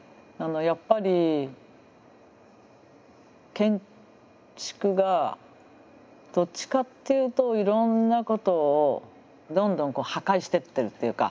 やっぱり建築がどっちかっていうといろんなことをどんどん破壊していってるっていうか。